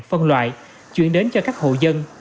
phân loại chuyển đến cho các hộ dân